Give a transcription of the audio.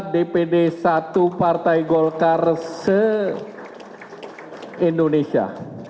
dpd satu partai golkar se indonesia